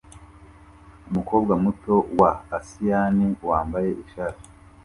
Umukobwa muto wa asiyani wambaye ishat